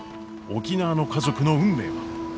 沖縄の家族の運命は！？